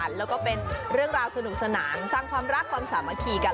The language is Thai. แล้วก็เป็นเรื่องราวสนุกสนานสร้างความรักความสามัคคีกัน